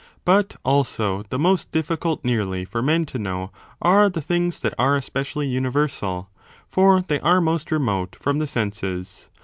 But, also, the most difficult nearly for men to know are the things that are especially universal, for they are most remote from the senses.